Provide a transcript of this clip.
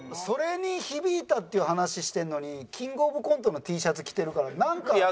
それに響いたっていう話してるのにキングオブコントのＴシャツ着てるからなんか。